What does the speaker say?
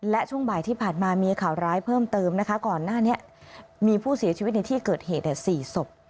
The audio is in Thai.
และช่วงบ่ายที่ผ่านมามีข่าวร้ายเพิ่มเติมนะคะก่อนหน้านี้มีผู้เสียชีวิตในที่เกิดเหตุ๔ศพ